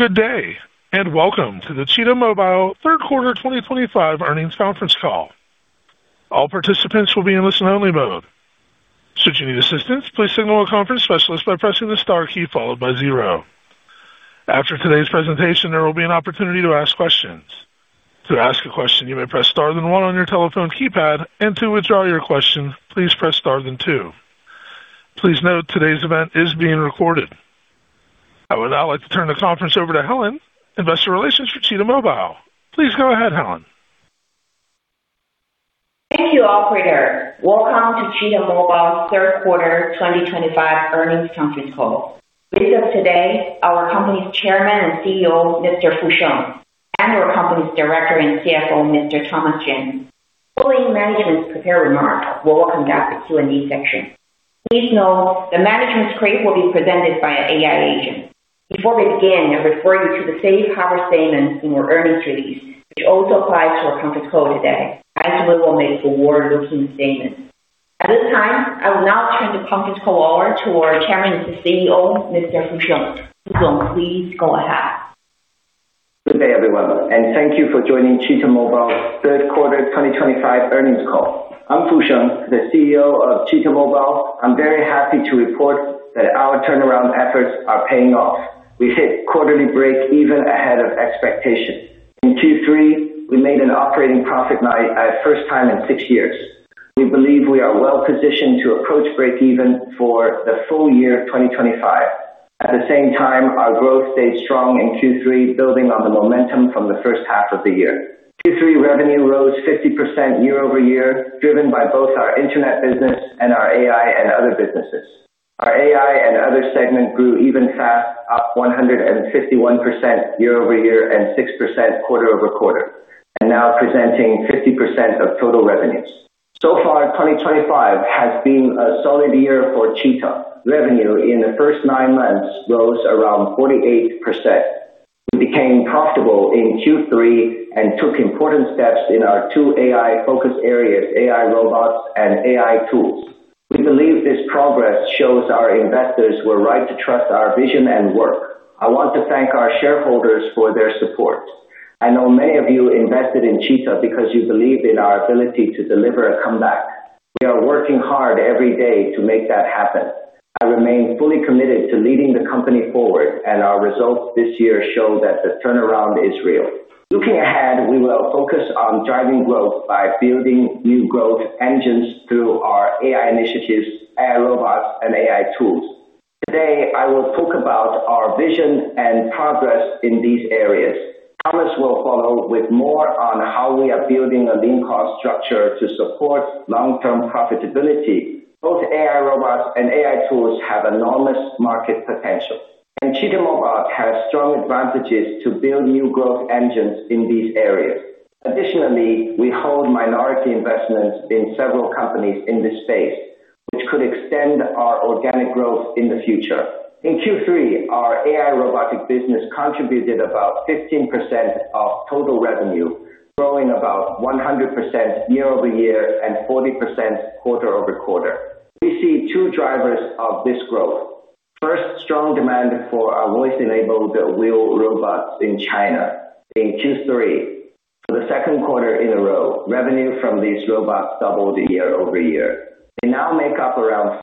Good day, and welcome to the Cheetah Mobile Third Quarter 2025 earnings conference call. All participants will be in listen-only mode. Should you need assistance, please signal a conference specialist by pressing the star key followed by zero. After today's presentation, there will be an opportunity to ask questions. To ask a question, you may press star then one on your telephone keypad, and to withdraw your question, please press star then two. Please note today's event is being recorded. I would now like to turn the conference over to Helen, Investor Relations for Cheetah Mobile. Please go ahead, Helen. Thank you, Operator. Welcome to Cheetah Mobile Third Quarter 2025 earnings conference call. With us today, our company's Chairman and CEO, Mr. Fu Sheng, and our company's Director and CFO, Mr. Thomas Jen. Following Management's prepared remarks, we'll welcome back the Q&A section. Please note the Management's remarks will be presented by an AI agent. Before we begin, I refer you to the Safe Harbor Statements in our earnings release, which also applies to our conference call today, as we will make forward-looking statements. At this time, I will now turn the conference call over to our Chairman and CEO, Mr. Fu Sheng. Fu Sheng, please go ahead. Good day, everyone, and thank you for joining Cheetah Mobile Third Quarter 2025 earnings call. I'm Fu Sheng, the CEO of Cheetah Mobile. I'm very happy to report that our turnaround efforts are paying off. We hit quarterly break even ahead of expectations. In Q3, we made an operating profit for the first time in six years. We believe we are well-positioned to approach break-even for the full year 2025. At the same time, our growth stayed strong in Q3, building on the momentum from the first half of the year. Q3 revenue rose 50% year-over-year, driven by both our internet business and our AI and other businesses. Our AI and other segments grew even faster, up 151% year-over-year and 6% quarter-over-quarter, and now representing 50% of total revenues. So far, 2025 has been a solid year for Cheetah. Revenue in the first nine months rose around 48%. We became profitable in Q3 and took important steps in our two AI-focused areas: AI robots and AI tools. We believe this progress shows our investors were right to trust our vision and work. I want to thank our shareholders for their support. I know many of you invested in Cheetah because you believe in our ability to deliver a comeback. We are working hard every day to make that happen. I remain fully committed to leading the company forward, and our results this year show that the turnaround is real. Looking ahead, we will focus on driving growth by building new growth engines through our AI initiatives, AI robots, and AI tools. Today, I will talk about our vision and progress in these areas. Thomas will follow with more on how we are building a lean cost structure to support long-term profitability. Both AI robots and AI tools have enormous market potential, and Cheetah Mobile has strong advantages to build new growth engines in these areas. Additionally, we hold minority investments in several companies in this space, which could extend our organic growth in the future. In Q3, our AI robotic business contributed about 15% of total revenue, growing about 100% year-over-year and 40% quarter-over-quarter. We see two drivers of this growth. First, strong demand for our voice-enabled wheel robots in China. In Q3, for the second quarter in a row, revenue from these robots doubled year-over-year. They now make up around 5%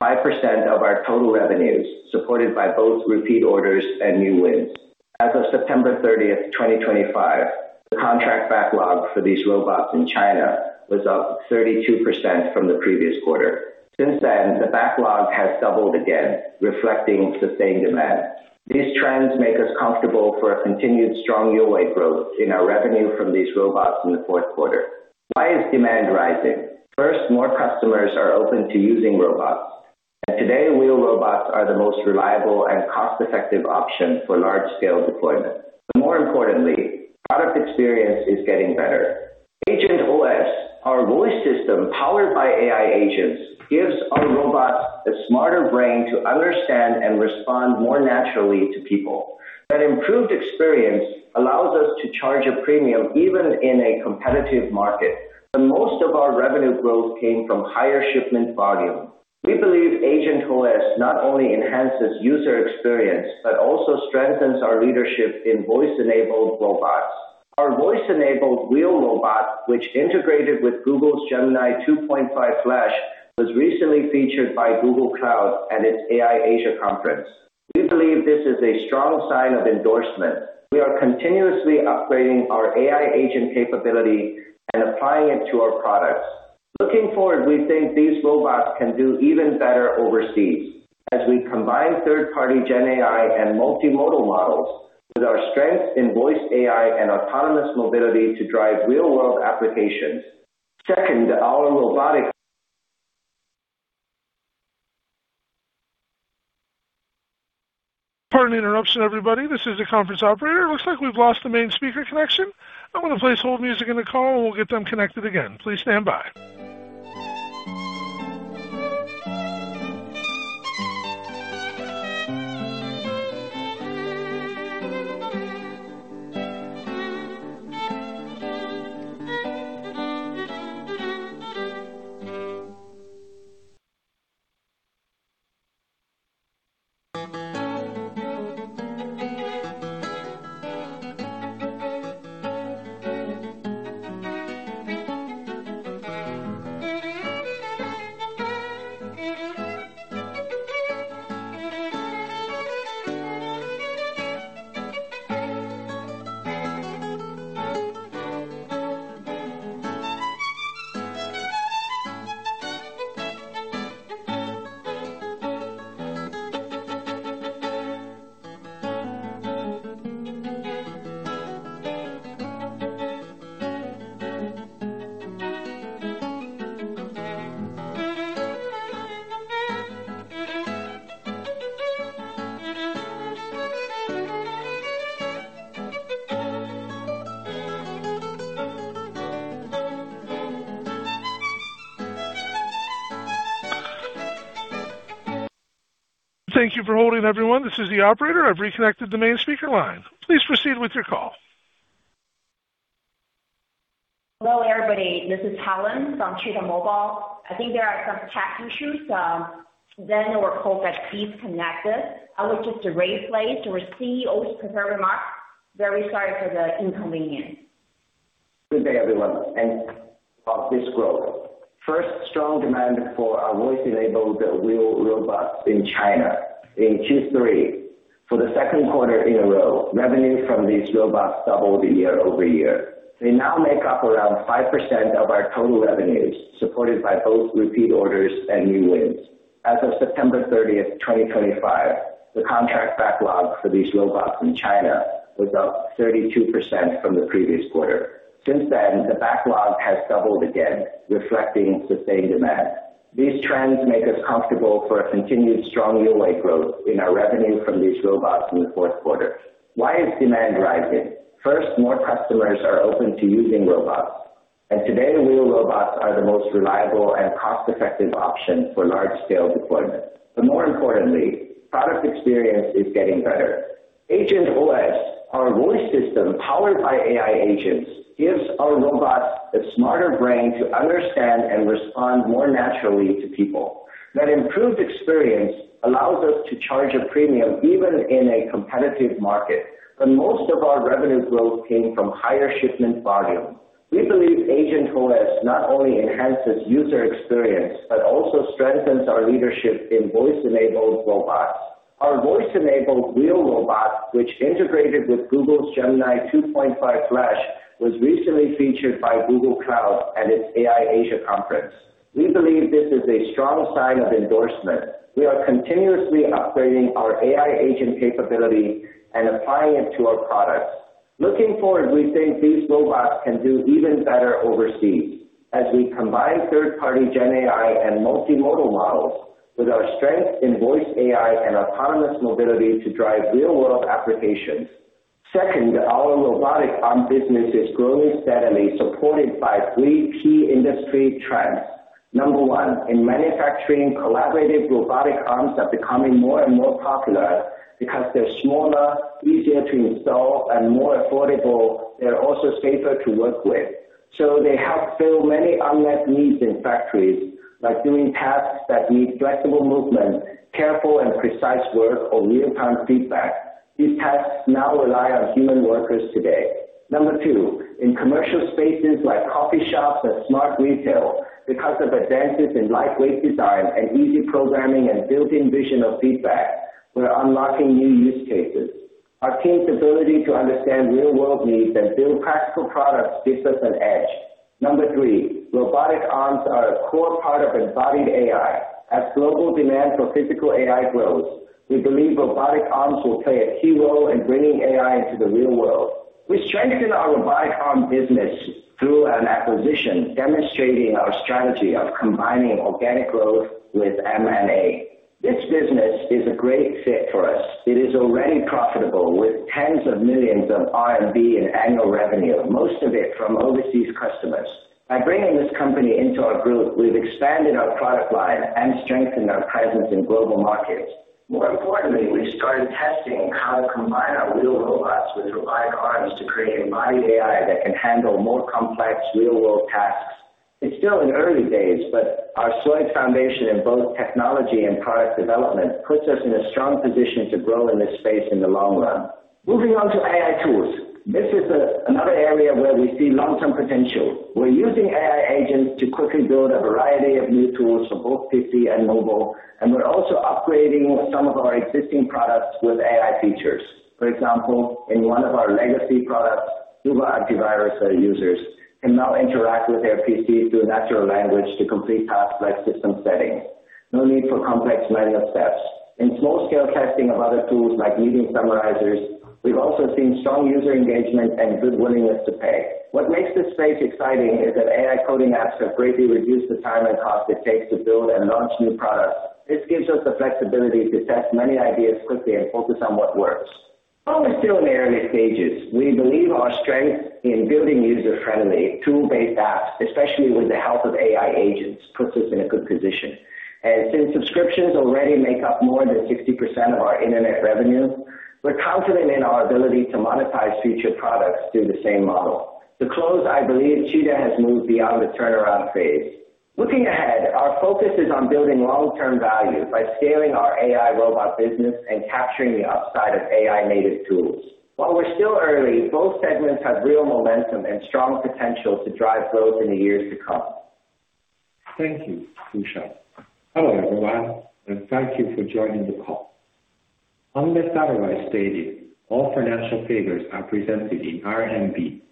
of our total revenues, supported by both repeat orders and new wins. As of September 30, 2025, the contract backlog for these robots in China was up 32% from the previous quarter. Since then, the backlog has doubled again, reflecting sustained demand. These trends make us comfortable for continued strong year-over-year growth in our revenue from these robots in the fourth quarter. Why is demand rising? First, more customers are open to using robots, and today, wheel robots are the most reliable and cost-effective option for large-scale deployment. More importantly, product experience is getting better. AgentOS, our voice system powered by AI agents, gives our robots a smarter brain to understand and respond more naturally to people. That improved experience allows us to charge a premium even in a competitive market, but most of our revenue growth came from higher shipment volume. We believe AgentOS not only enhances user experience but also strengthens our leadership in voice-enabled robots. Our voice-enabled wheel robot, which integrated with Google's Gemini 2.5 Flash, was recently featured by Google Cloud at its AI Asia conference. We believe this is a strong sign of endorsement. We are continuously upgrading our AI agent capability and applying it to our products. Looking forward, we think these robots can do even better overseas as we combine third-party GenAI and multimodal models like doing tasks that need flexible movement, careful and precise work, or real-time feedback. These tasks now rely on human workers today. Number two, in commercial spaces like coffee shops and smart retail, because of advances in lightweight design and easy programming and built-in vision of feedback, we're unlocking new use cases. Our team's ability to understand real-world needs and build practical products gives us an edge. Number three, robotic arms are a core part of embodied AI. As global demand for physical AI grows, we believe robotic arms will play a key role in bringing AI into the real world. We strengthen our robotic arm business through an acquisition demonstrating our strategy of combining organic growth with M&A. This business is a great fit for us. It is already profitable with tens of millions of R&D and annual revenue, most of it from overseas customers. By bringing this company into our group, we've expanded our product line and strengthened our presence in global markets. More importantly, we started testing how to combine our wheel robots with robotic arms to create embodied AI that can handle more complex real-world tasks. It's still in early days, but our solid foundation in both technology and product development puts us in a strong position to grow in this space in the long run. Moving on to AI tools, this is another area where we see long-term potential. We're using AI agents to quickly build a variety of new tools for both PC and mobile, and we're also upgrading some of our existing products with AI features. For example, in one of our legacy products, Huba Antivirus, our users can now interact with their PC through natural language to complete tasks like system settings. No need for complex manual steps. In small-scale testing of other tools like meeting summarizers, we've also seen strong user engagement and good willingness to pay. What makes this space exciting is that AI coding apps have greatly reduced the time and cost it takes to build and launch new products. This gives us the flexibility to test many ideas quickly and focus on what works. While we're still in the early stages, we believe our strength in building user-friendly, tool-based apps, especially with the help of AI agents, puts us in a good position. Since subscriptions already make up more than 60% of our internet revenue, we're confident in our ability to monetize future products through the same model. To close, I believe Cheetah has moved beyond the turnaround phase. Looking ahead, our focus is on building long-term value by scaling our AI robot business and capturing the upside of AI-native tools. While we're still early, both segments have real momentum and strong potential to drive growth in the years to come. Thank you, Husha. Hello, everyone, and thank you for joining the call. On the satellite stadium, all financial figures are presented in RMB.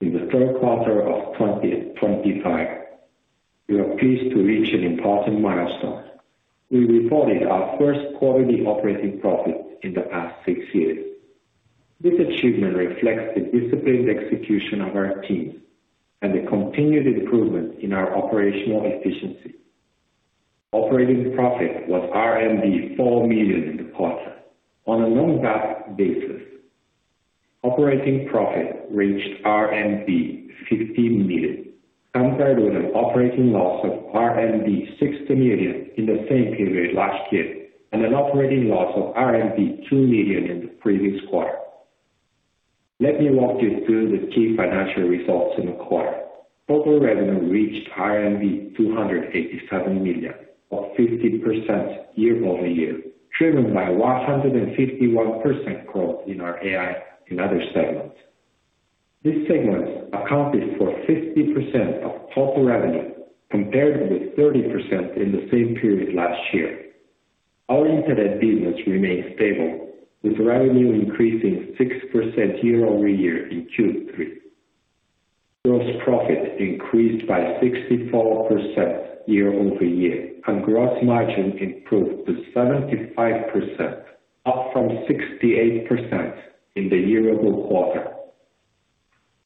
In the third quarter of 2024, we are pleased to reach an important milestone. We reported our first quarterly operating profit in the past six years. This achievement reflects the disciplined execution of our teams and the continued improvement in our operational efficiency. Operating profit was RMB 4 million in the quarter. On a non-GAAP basis, operating profit reached RMB 50 million, compared with an operating loss of RMB 60 million in the same period last year and an operating loss of RMB 2 million in the previous quarter. Let me walk you through the key financial results in the quarter. Total revenue reached RMB 287 million, up 50% year-over-year, driven by a 151% growth in our AI and other segments. These segments accounted for 50% of total revenue, compared with 30% in the same period last year. Our internet business remained stable, with revenue increasing 6% year-over-year in Q3. Gross profit increased by 64% year-over-year, and gross margin improved to 75%, up from 68% in the year-over-year quarter.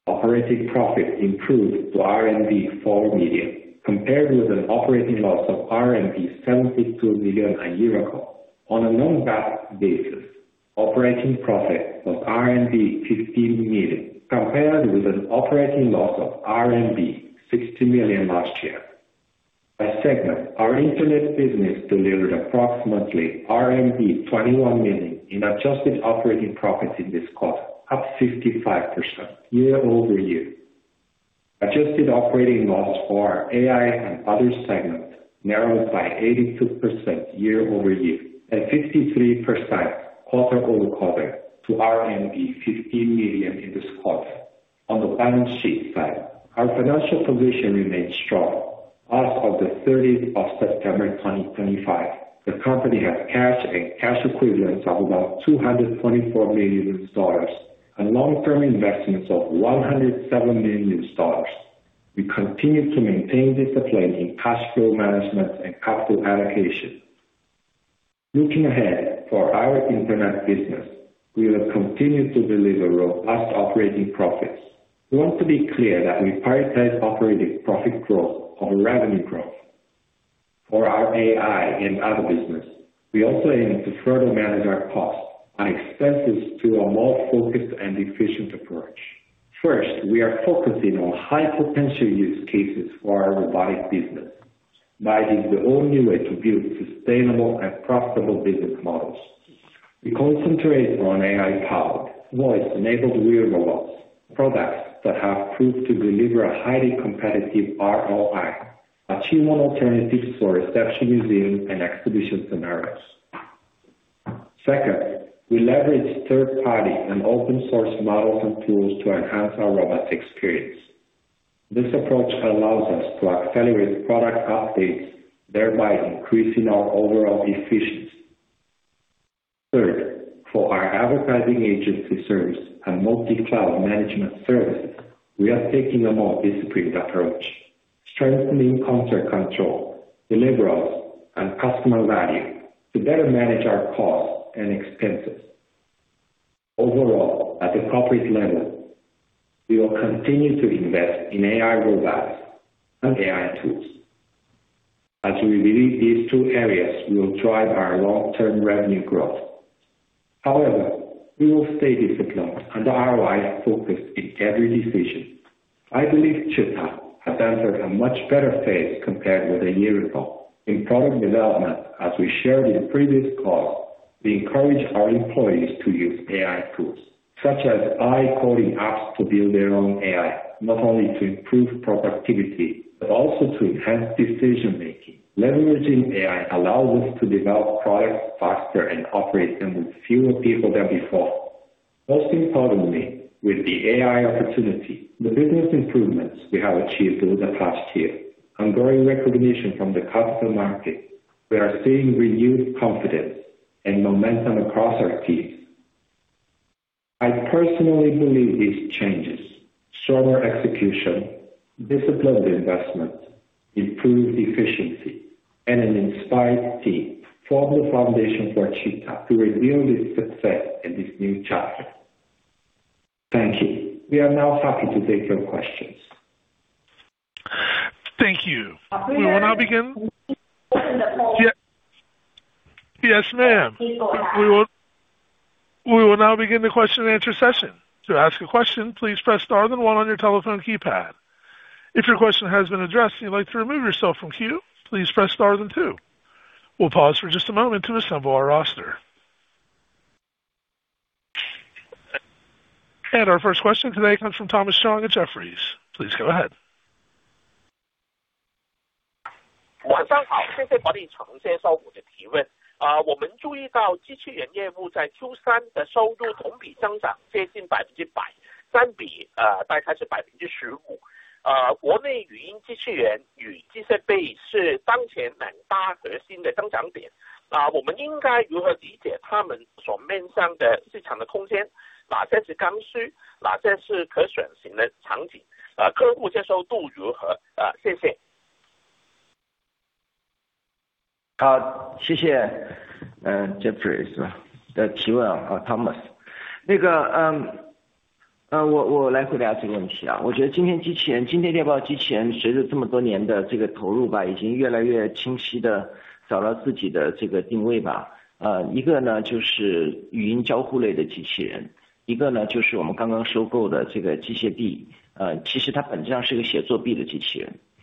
Operating profit improved to RMB 4 million, compared with an operating loss of RMB 72 million a year ago. On a non-GAAP basis, operating profit was RMB 50 million, compared with an operating loss of RMB 60 million last year. By segment, our internet business delivered approximately RMB 21 million in adjusted operating profit in this quarter, up 55% year-over-year. Adjusted operating loss for our AI and other segments narrowed by 82% year-over-year, and 53% quarter-over-quarter to RMB 15 million in this quarter. On the balance sheet side, our financial position remained strong. As of September 30th, 2024, the company has cash and cash equivalents of about $224 million and long-term investments of $107 million. We continue to maintain discipline in cash flow management and capital allocation. Looking ahead for our internet business, we will continue to deliver robust operating profits. We want to be clear that we prioritize operating profit growth over revenue growth. For our AI and other business, we also aim to further manage our costs and expenses through a more focused and efficient approach. First, we are focusing on high-potential use cases for our robotic business, as it is the only way to build sustainable and profitable business models. We concentrate on AI-powered voice-enabled service robots, products that have proved to deliver a highly competitive ROI, particularly in alternatives for reception, museum and exhibition scenarios. Second, we leverage third-party and open-source models and tools to enhance our robot experience. This approach allows us to accelerate product updates, thereby increasing our overall efficiency. Third, for our advertising agency service and multi-cloud management services, we are taking a more disciplined approach, strengthening cost control, deliverables, and customer value to better manage our costs and expenses. Overall, at the corporate level, we will continue to invest in AI robots and AI tools, as we believe these two areas will drive our long-term revenue growth. However, we will stay disciplined and ROI focused in every decision. I believe Cheetah has entered a much better phase compared with a year ago in product development. As we shared in previous calls, we encourage our employees to use AI tools, such as AI coding apps, to build their own AI, not only to improve productivity but also to enhance decision-making. Leveraging AI allows us to develop products faster and operate them with fewer people than before. Most importantly, with the AI opportunity, the business improvements we have achieved over the past year, ongoing recognition from the capital market, we are seeing renewed confidence and momentum across our teams. I personally believe these changes: stronger execution, disciplined investments, improved efficiency, and an inspired team form the foundation for Cheetah to achieve its success in this new chapter. Thank you. We are now happy to take your questions. Thank you. Yes. We will now begin. Yes. Yes, ma'am. People are. We will now begin the question-and-answer session. To ask a question, please press star then one on your telephone keypad. If your question has been addressed and you'd like to remove yourself from queue, please press star then two. We'll pause for just a moment to assemble our roster. Our first question today comes from Thomas Zhang at Jefferies. Please go ahead. 谢谢Jefferies的提问，Thomas。我来回答这个问题。我觉得今天机器人，今天电报机器人随着这么多年的投入，已经越来越清晰地找到自己的定位。一个就是语音交互类的机器人，一个就是我们刚刚收购的机械臂。其实它本质上是一个协作臂的机器人。而这两个市场其实都有非常广阔的发展前景。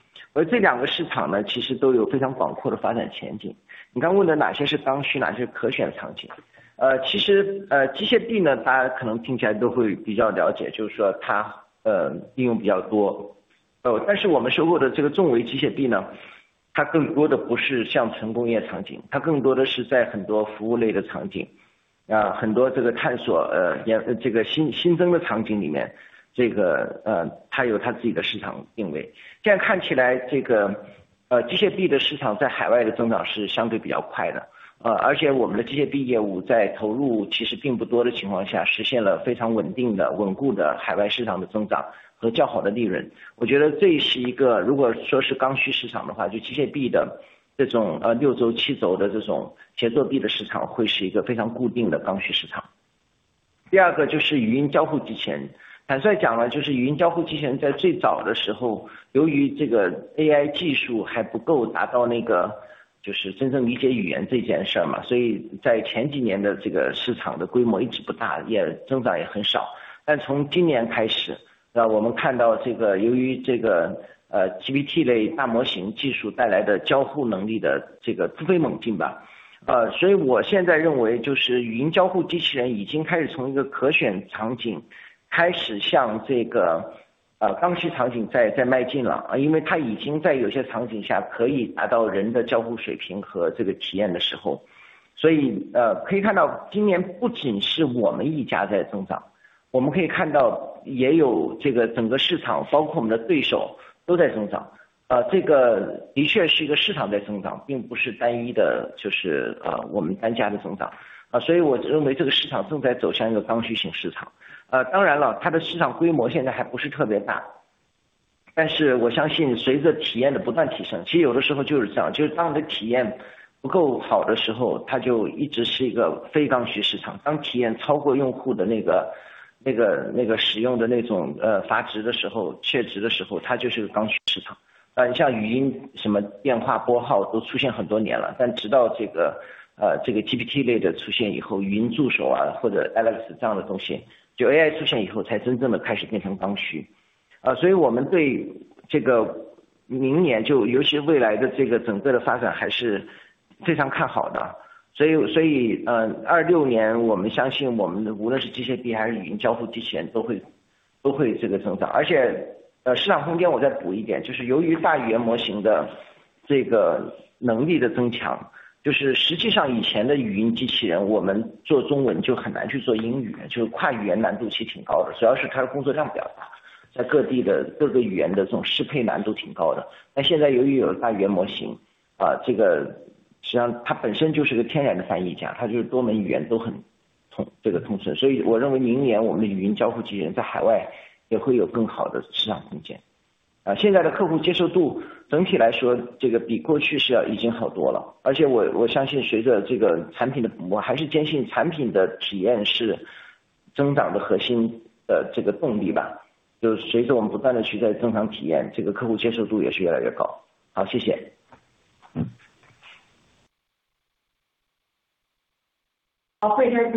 Operator,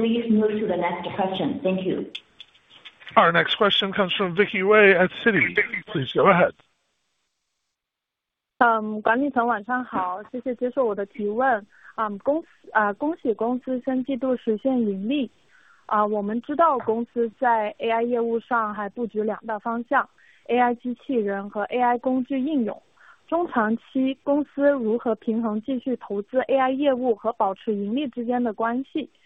please move to the next question. Thank you. Our next question comes from Vicky Wei at Citi. Please go ahead. 管理层晚上好，谢谢接受我的提问。恭喜公司新季度实现盈利。我们知道公司在AI业务上还布局两大方向：AI机器人和AI工具应用。中长期公司如何平衡继续投资AI业务和保持盈利之间的关系？在成本结构上是否还有进一步优化的空间？我们有没有设定中长期的盈利目标？谢谢。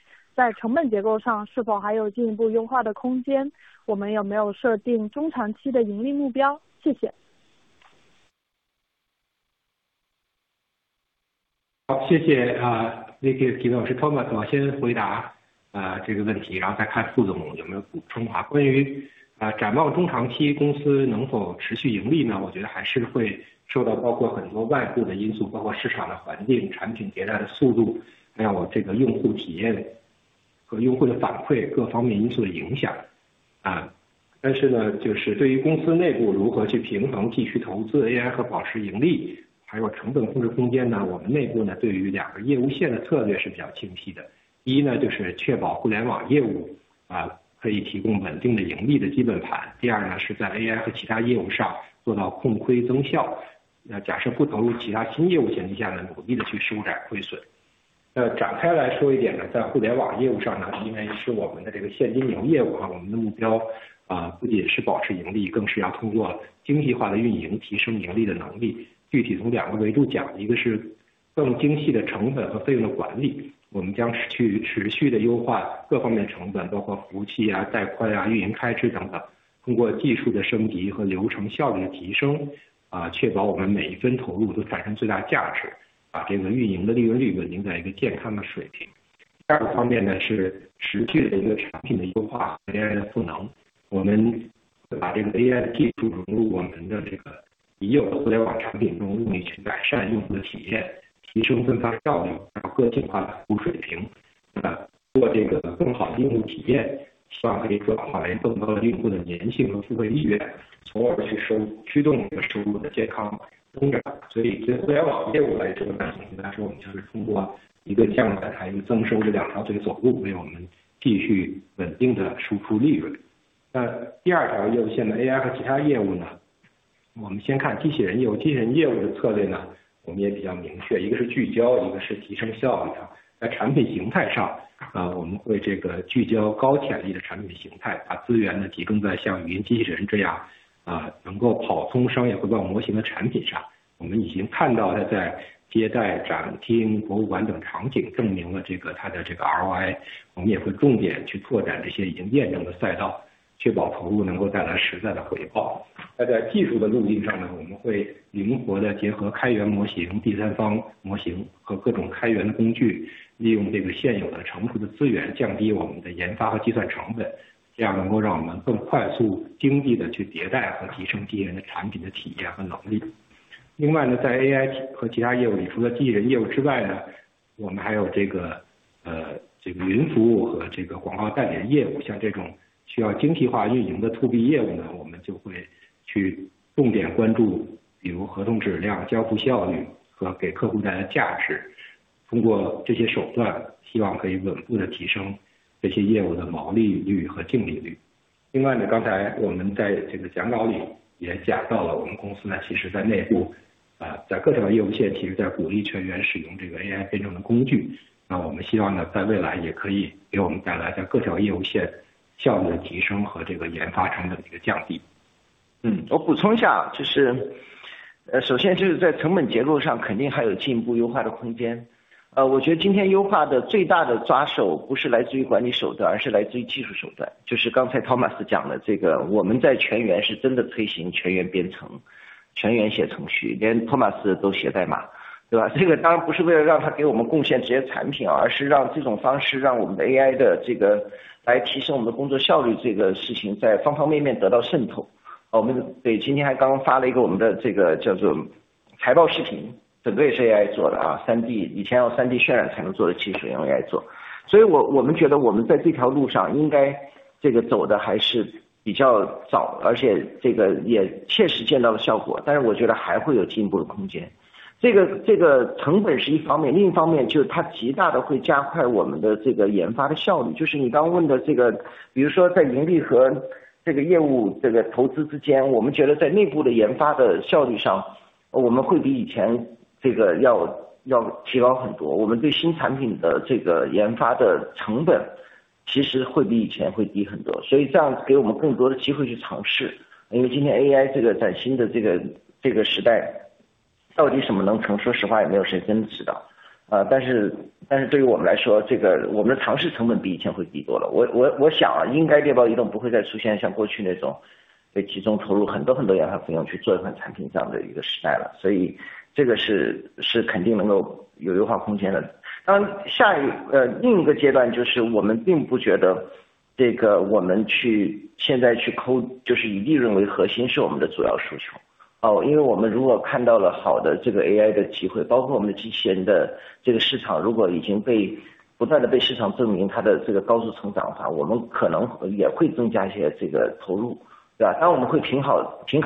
Thank you, Operator. Please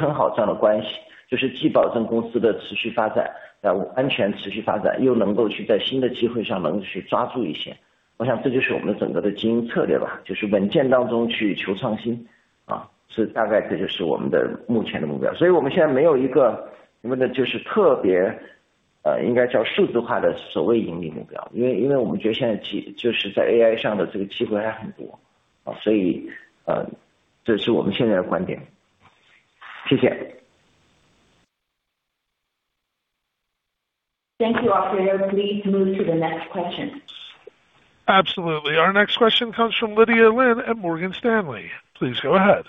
move to the next question. Absolutely. Our next question comes from Lydia Lin at Morgan Stanley. Please go ahead.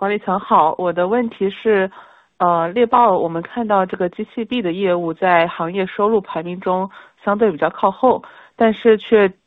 管理层好，我的问题是，电报我们看到机器臂的业务在行业收入排名中相对比较靠后，但是却有相对很不错的盈利能力。想请教一下，就是咱们公司的这一块的核心的竞争优势是在哪里？谢谢。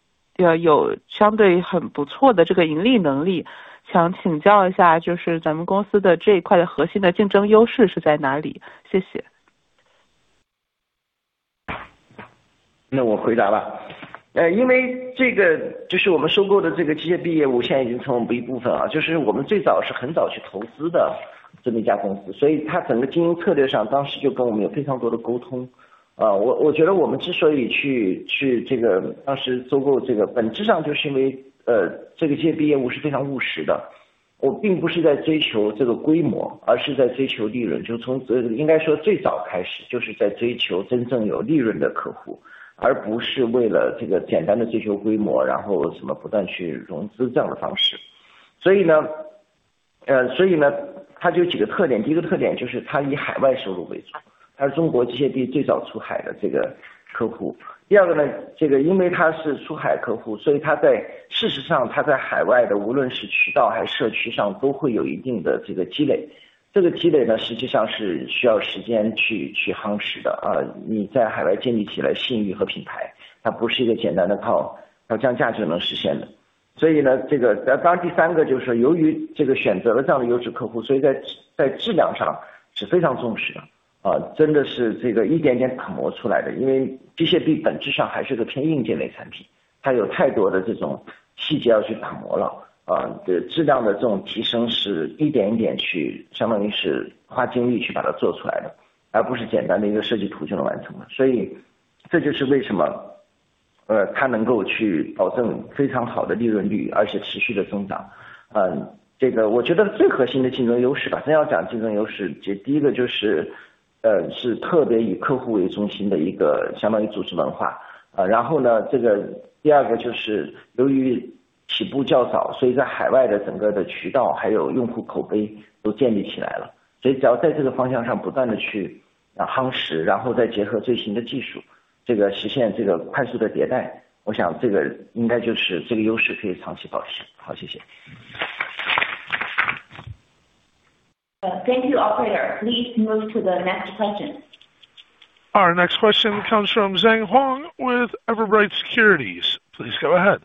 Thank you, Operator. Please move to the next question. Our next question comes from Zheng Huang with Everbright Securities. Please go ahead.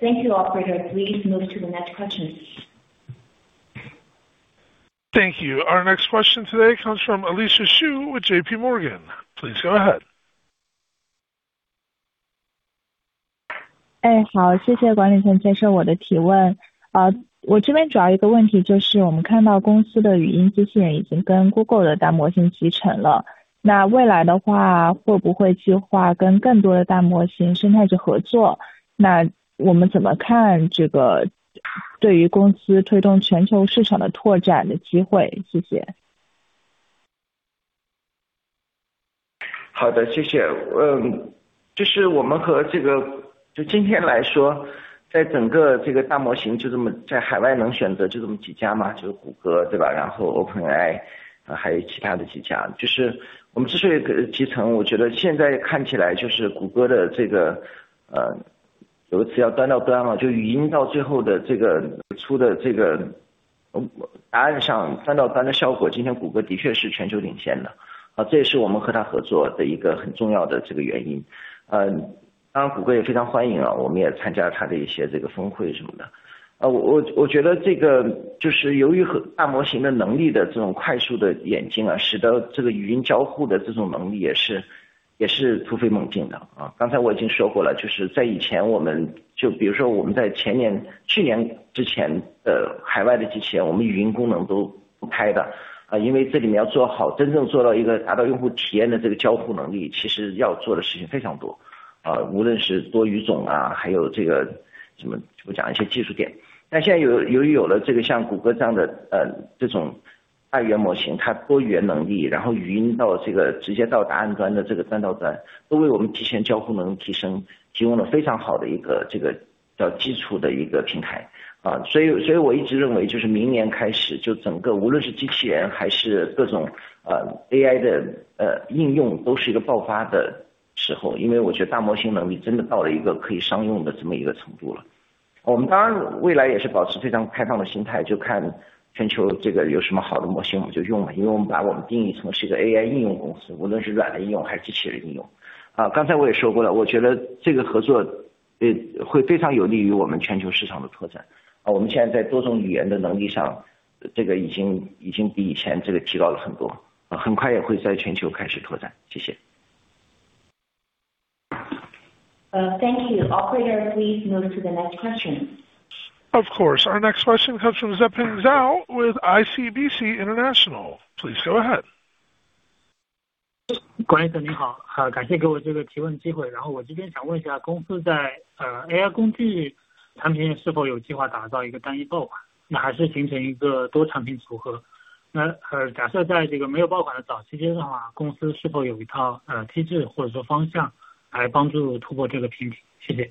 Thank you, Operator. Please move to the next question. Thank you. Our next question today comes from Alicia Xu with JP Morgan. Please go ahead. 好，谢谢管理层接受我的提问。我这边主要一个问题就是，我们看到公司的语音机器人已经跟Google的大模型集成了。那未来的话，会不会计划跟更多的大模型生态去合作？那我们怎么看这个对于公司推动全球市场的拓展的机会？谢谢。好的，谢谢。就是我们今天来说，在整个大模型就这么在海外能选择就这么几家，就是谷歌，对吧？然后OpenAI，还有其他的几家。就是我们之所以集成，我觉得现在看起来就是谷歌的这个，有个词叫端到端，就语音到最后的这个出的这个答案上端到端的效果，今天谷歌的确是全球领先的。这也是我们和它合作的一个很重要的原因。当然谷歌也非常欢迎，我们也参加了它的一些峰会什么的。我觉得这个由于大模型的能力的这种快速的演进，使得语音交互的这种能力也是突飞猛进的。刚才我已经说过了，就是在以前我们，就比如说我们在去年之前的海外的机器人，我们语音功能都不开的。因为这里面要做好，真正做到一个达到用户体验的交互能力，其实要做的事情非常多，无论是多语种，还有什么，我讲一些技术点。但现在由于有了像谷歌这样的这种大语言模型，它多语言能力，然后语音直接到达案端的端到端，都为我们提前交互能力提升，提供了非常好的一个叫基础的一个平台。所以我一直认为就是明年开始，就整个无论是机器人还是各种AI的应用都是一个爆发的时候。因为我觉得大模型能力真的到了一个可以商用的这么一个程度了。我们当然未来也是保持非常开放的心态，就看全球有什么好的模型我们就用。因为我们把我们定义成是一个AI应用公司，无论是软的应用还是机器人应用。刚才我也说过了，我觉得这个合作会非常有利于我们全球市场的拓展。我们现在在多种语言的能力上已经比以前提高了很多，很快也会在全球开始拓展。谢谢。Thank you. Operator, please move to the next question. Of course. Our next question comes from Zheng Zhao with ICBC International. Please go ahead. 管理层你好，感谢给我这个提问机会。然后我这边想问一下，公司在AI工具产品是否有计划打造一个单一爆款，还是形成一个多产品组合？假设在没有爆款的早期阶段的话，公司是否有一套机制或者说方向来帮助突破这个瓶颈？谢谢。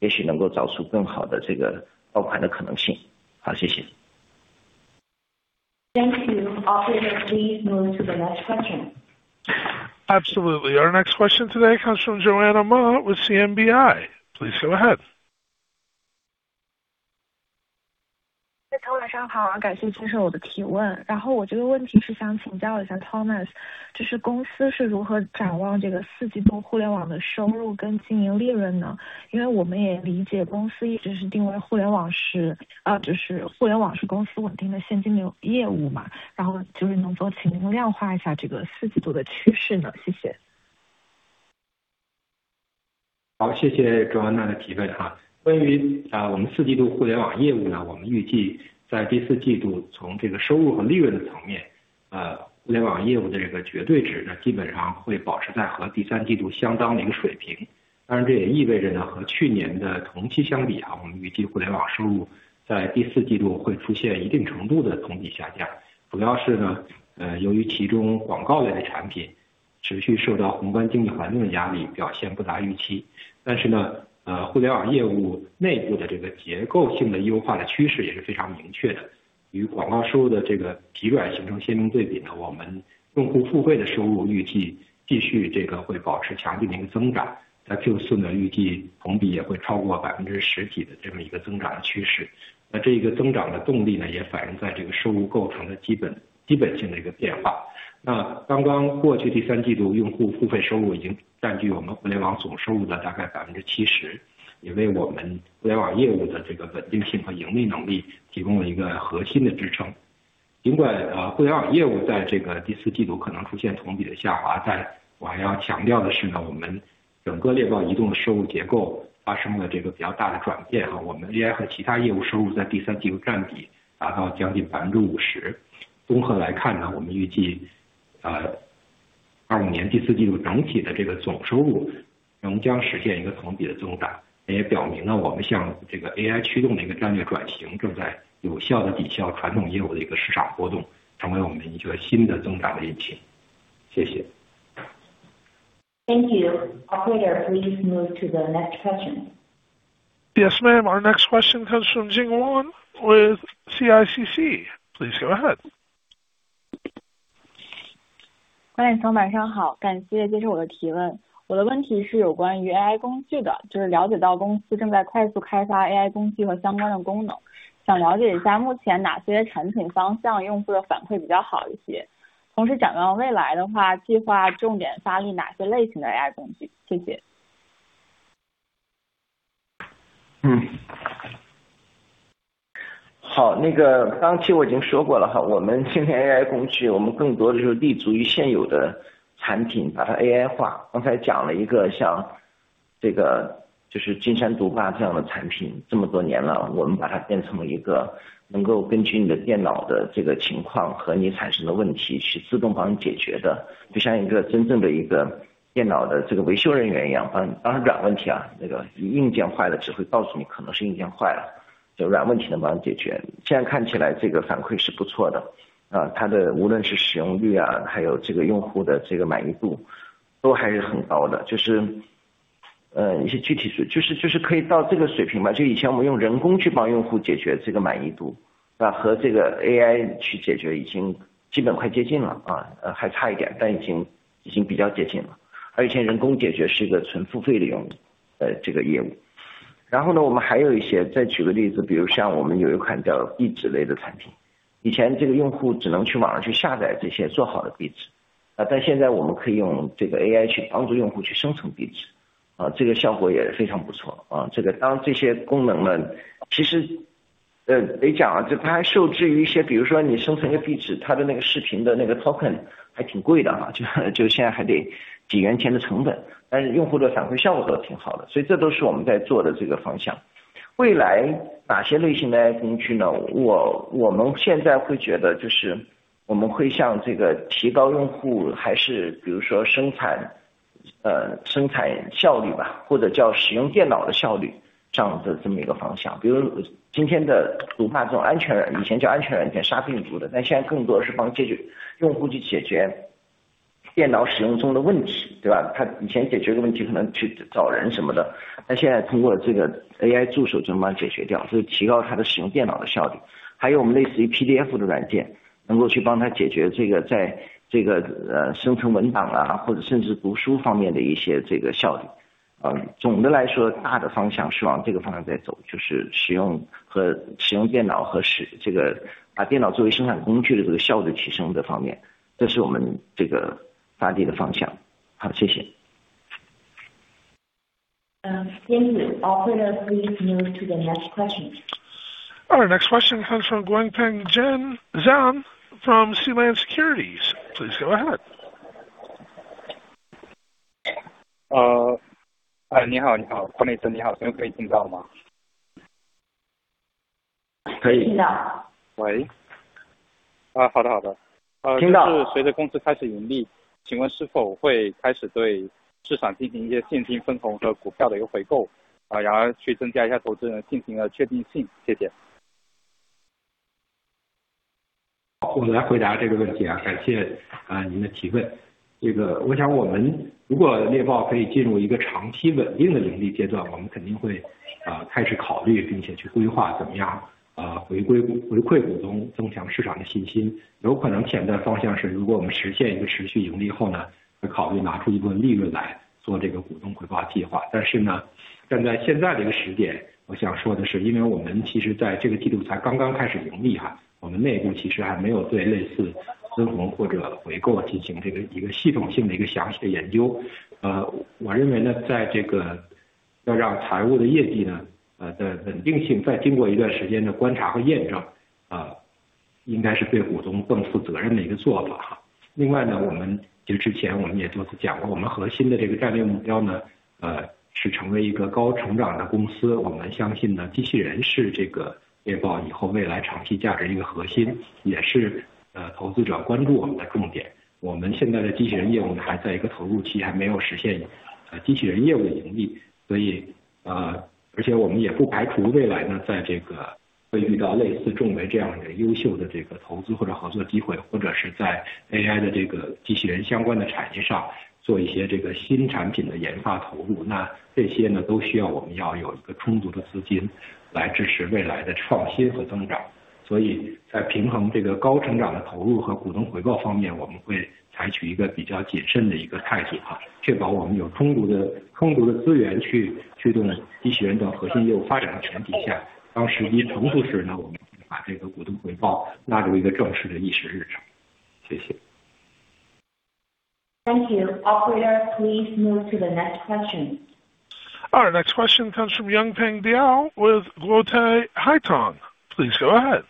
Thank you. Operator, please move to the next question. Absolutely. Our next question today comes from Joanna Ma with CNBC. Please go ahead. Thank you. Operator, please move to the next question. Yes, ma'am. Our next question comes from Jing Wan with CICC. Please go ahead. Thank you. Operator, please move to the next question. Our next question comes from Nguyễn Thanh Giang from CLAN Securities. Please go ahead. 你好，管理层你好，请问可以听到吗？ 可以。听到。喂。好的，就是随着公司开始盈利，请问是否会开始对市场进行一些现金分红和股票的一个回购，然后去增加一下投资人信心和确定性？谢谢。我来回答这个问题，感谢您的提问。我想我们如果猎豹可以进入一个长期稳定的盈利阶段，我们肯定会开始考虑并且去规划怎么样回馈股东，增强市场的信心。有可能现在方向是如果我们实现一个持续盈利后，会考虑拿出一部分利润来做股东回报计划。但是站在现在这个时点，我想说的是，因为我们其实在这个季度才刚刚开始盈利，我们内部其实还没有对类似分红或者回购进行一个系统性的详细研究。我认为让财务业绩的稳定性再经过一段时间的观察和验证，应该是对股东更负责任的做法。另外我们其实之前也多次讲过，我们核心的战略目标是成为一个高成长的公司，我们相信机器人是猎豹以后未来长期价值的核心，也是投资者关注我们的重点。我们现在的机器人业务还在一个投入期，还没有实现机器人业务的盈利。而且我们也不排除未来会遇到类似仲维这样的优秀的投资或者合作机会，或者是在AI机器人相关的产业上做一些新产品的研发投入。这些都需要我们要有充足的资金来支持未来的创新和增长。所以在平衡高成长的投入和股东回报方面，我们会采取一个比较谨慎的态度，确保我们有充足的资源去驱动机器人等核心业务发展的前提下，当时机成熟时，我们会把股东回报纳入正式的议事日程。谢谢。Thank you. Operator, please move to the next question. Our next question comes from Yung Peng Diao with Guotai Haitong. Please go ahead.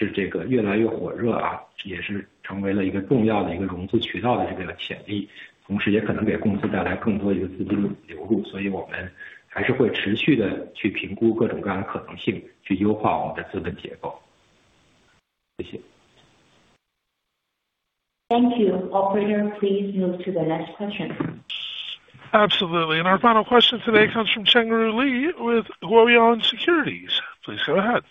Thank you. Operator, please move to the next question. Absolutely. Our final question today comes from Cheng Ru Li with Huayong Securities. Please go ahead.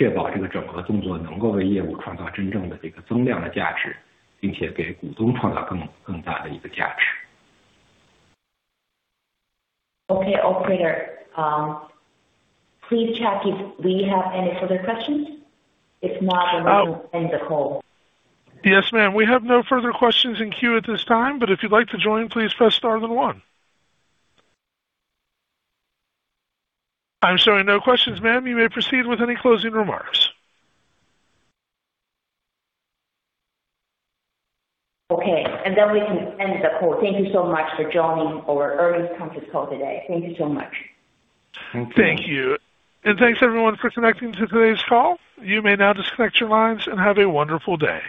Okay, Operator. Please check if we have any further questions. If not, we will end the call. Yes, ma'am. We have no further questions in queue at this time, but if you'd like to join, please press star then one. I'm showing no questions, ma'am. You may proceed with any closing remarks. Okay. And then we can end the call. Thank you so much for joining our early conference call today. Thank you so much. Thank you. And thanks, everyone, for connecting to today's call. You may now disconnect your lines and have a wonderful day.